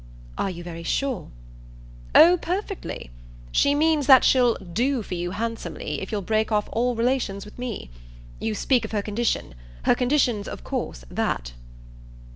"Are you very sure?" "Oh perfectly. She means that she'll 'do' for you handsomely if you'll break off all relations with me. You speak of her condition. Her condition's of course that."